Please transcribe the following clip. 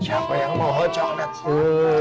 siapa yang mau hot chocolate